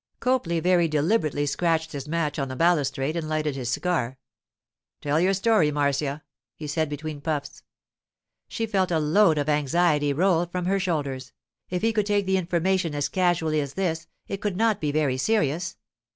Copley very deliberately scratched his match on the balustrade and lighted his cigar. 'Tell your story, Marcia,' he said between puffs. She felt a load of anxiety roll from her shoulders; if he could take the information as casually as this, it could not be very serious.